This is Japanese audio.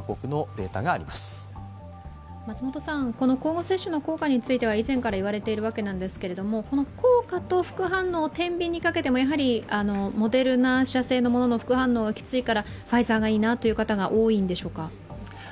この交互接種の効果については以前から言われてるんですけどこの効果と副反応を天秤にかけてもやはりモデルナ社製のものはきついからファイザーがいいなという方が多いんでしょうか。